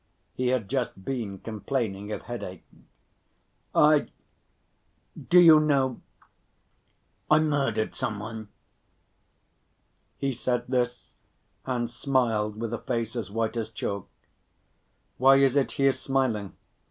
—he had just been complaining of headache. "I ... do you know ... I murdered some one." He said this and smiled with a face as white as chalk. "Why is it he is smiling?"